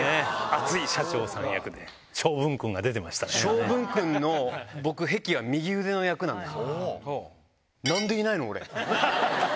昌文君の僕壁は右腕の役なんです。